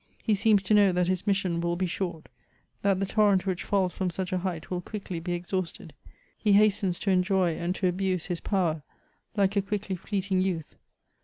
He seems to know that his mis sion will he short ; that the torrent which falls firom such a height will quickly be exhausted ; he hastens to enjoy and to abuse his power, like a quickly fleeting youth.